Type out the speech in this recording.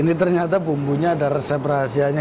ini ternyata bumbunya ada resep rahasianya